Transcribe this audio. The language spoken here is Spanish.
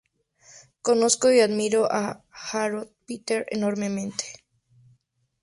Conozco y admiro a Harold Pinter enormemente.